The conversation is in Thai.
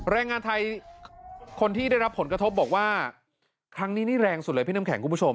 แรงงานไทยคนที่ได้รับผลกระทบบอกว่าครั้งนี้นี่แรงสุดเลยพี่น้ำแข็งคุณผู้ชม